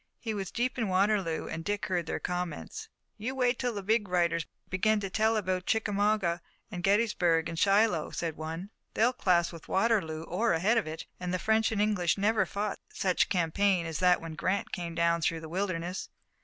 He was deep in Waterloo and Dick heard their comments. "You wait till the big writers begin to tell about Chickamauga and Gettysburg and Shiloh," said one. "They'll class with Waterloo or ahead of it, and the French and English never fought any such campaign as that when Grant came down through the Wilderness.